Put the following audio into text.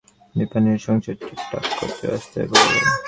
দিপা নিজের সংসার ঠিকঠাক করতে ব্যস্ত হয়ে পড়ল।